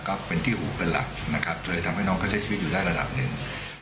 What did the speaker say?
ก็เป็นที่หูเป็นหลักนะครับเลยทำให้น้องเขาใช้ชีวิตอยู่ได้ระดับหนึ่ง